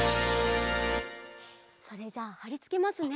それじゃあはりつけますね。